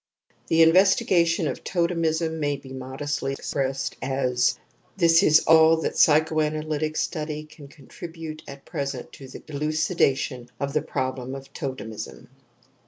The investigation of totemism may be modestly expressed as :" This is all that psychoanalytic study can contribute at present to the elucida tion of the problem of totemism."